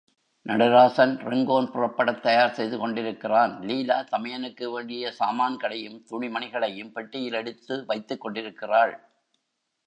Natarajan Rangoon புறப்படத் தயார் செய்துகொண்டிருக்கிறான், லீலா தமயனுக்கு வேண்டிய சாமான்களையும் துணி மணிகளையும் பெட்டியில் எடுத்து வைத்துக்கொண்டிருக்கிறாள்.